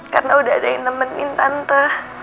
karena udah ada yang nemenin tante